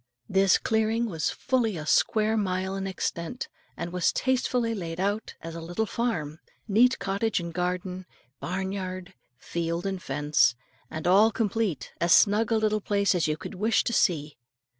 This clearing was fully a square mile in extent, and was tastefully laid out as a little farm, neat cottage and garden, barnyard, field, and fence, and all complete, as snug a little place as you could wish to see.